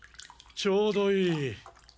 ちょうどいい。